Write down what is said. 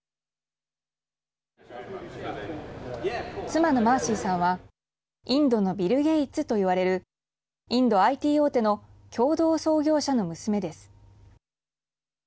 妻のマーシーさんはインドのビル・ゲイツといわれるインドＩＴ大手の共同創業者の娘です。